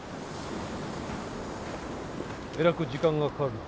えらく時間がかかるな。